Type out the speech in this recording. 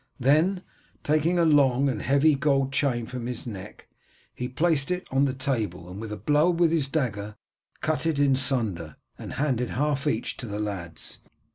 Then taking a long and heavy gold chain from his neck he placed it on the table, and with a blow with his dagger cut it in sunder, and handed half to each of the lads.